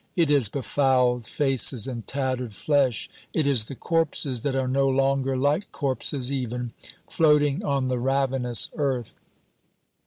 It is befouled faces and tattered flesh, it is the corpses that are no longer like corpses even, floating on the ravenous earth.